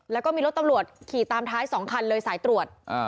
แล้วก็มีรถตำรวจขี่ตามท้าย๒คันเลยสายตรวจ